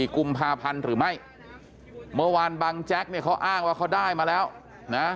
กุมภาพันธ์หรือไม่เมื่อวานบังแจ๊กเนี่ยเขาอ้างว่าเขาได้มาแล้วนะ